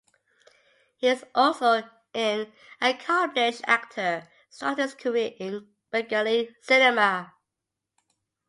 He is also an accomplished actor starting his career in Bengali cinema.